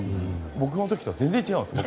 僕の時とは全然違うんですよ。